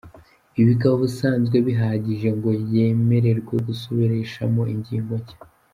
Ibi bikaba ubusanzwe bihagije ngo yemererwe gusubirashamo ingingo nshya!